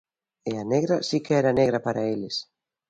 E a negra si que era negra para eles.